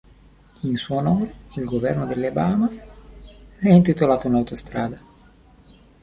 In suo onore il governo delle Bahamas le ha intitolato un'autostrada.